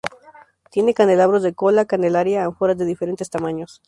Tiene candelabros de cola, candelería, ánforas de diferentes tamaños.